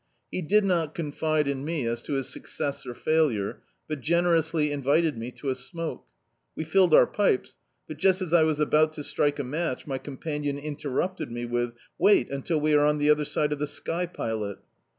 He did not confide in me as to his success or failure; but generously invited me to a smoke. We filled our pipes, but just as I was about to strike a match, my companion interrupted me with — '"Wait until we are on the other side of the slg' pilot."